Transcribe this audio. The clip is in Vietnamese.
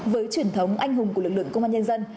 với truyền thống anh hùng của lực lượng công an nhân dân